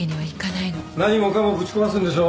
何もかもぶち壊すんでしょ？